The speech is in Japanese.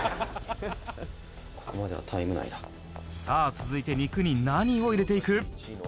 「さあ続いて肉に何を入れていく？」